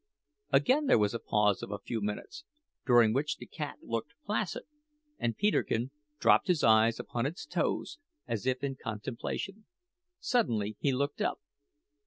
Again there was a pause of a few minutes, during which the cat looked placid, and Peterkin dropped his eyes upon its toes as if in contemplation. Suddenly he looked up.